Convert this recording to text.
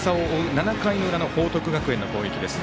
７回の裏の報徳学園の攻撃です。